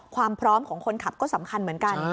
ความพร้อมของคนขับก็สำคัญเหมือนกัน